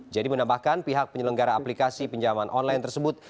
jadi menambahkan pihak penyelenggara aplikasi pinjaman online tersebut